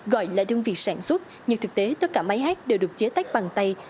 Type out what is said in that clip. gọi là đơn vị sản xuất nhưng thực tế tất cả máy hát đều được chế tách bằng tay